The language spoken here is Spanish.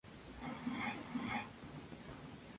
Al principio, era sólo una academia para el teatro.